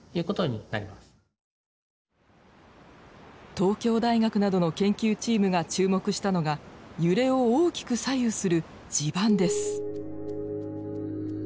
東京大学などの研究チームが注目したのが揺れを大きく左右する地盤です。